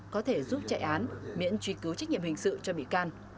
có thể giúp chạy án miễn truy cứu trách nhiệm hình sự cho bị can